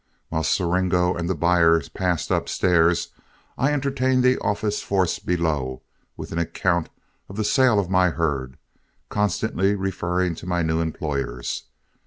While Siringo and the buyers passed upstairs, I entertained the office force below with an account of the sale of my herd, constantly referring to my new employers.